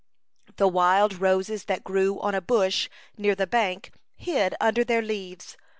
The wild roses that grew on a bush near the bank hid under their leaves.